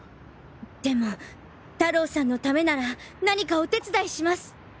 でも太郎さんのためなら何かお手伝いします！